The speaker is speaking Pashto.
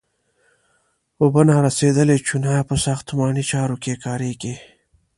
اوبه نارسیدلې چونه په ساختماني چارو کې کاریږي.